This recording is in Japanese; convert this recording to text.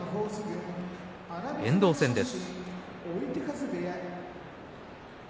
遠藤戦です。